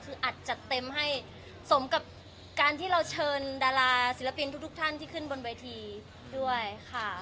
คืออัดจัดเต็มให้สมกับการที่เราเชิญดาราศิลปินทุกท่านที่ขึ้นบนเวทีด้วยค่ะ